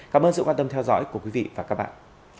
cảm ơn sự quan tâm theo dõi của quý vị và các bạn